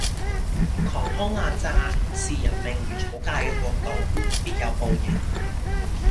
狂轟濫炸視人命如草芥嘅國度必有報應。